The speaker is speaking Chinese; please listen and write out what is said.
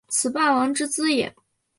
此霸王之资也。